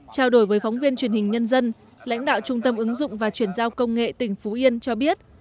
trao đổi với phóng viên truyền hình nhân dân lãnh đạo trung tâm ứng dụng và chuyển giao công nghệ tỉnh phú yên cho biết